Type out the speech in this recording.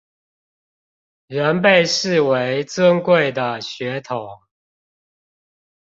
仍被視為尊貴的血統